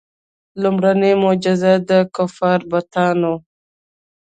لومړنۍ معجزه یې د کفارو بتان وو.